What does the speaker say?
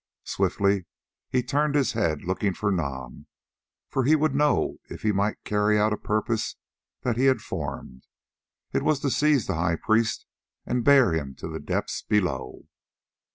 Swiftly he turned his head, looking at Nam, for he would know if he might carry out a purpose that he had formed. It was to seize the high priest and bear him to the depths below.